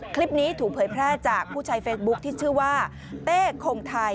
คลิปนี้ถูกเผยแพร่จากผู้ใช้เฟซบุ๊คที่ชื่อว่าเต้คงไทย